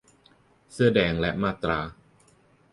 เสื้อแดง และมาตรา